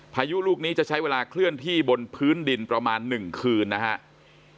พายุลูกนี้จะใช้เวลาเคลื่อนที่บนพื้นดินประมาณ๑คืนนะครับ